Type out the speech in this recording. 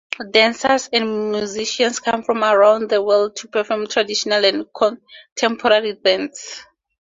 Dancers and musicians come from around the world to perform traditional and contemporary dance.